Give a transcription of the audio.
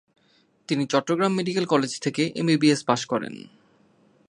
তিনি Chittagong medical college থেকে MBBS pass করেন।